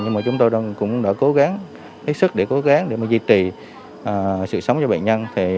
nhưng chúng tôi cũng đã cố gắng hết sức để giữ trì sự sống cho bệnh nhân